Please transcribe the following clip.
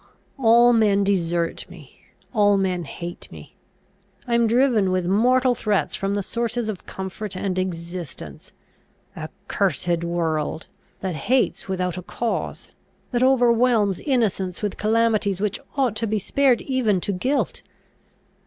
All men desert me. All men hate me. I am driven with mortal threats from the sources of comfort and existence. Accursed world! that hates without a cause, that overwhelms innocence with calamities which ought to be spared even to guilt!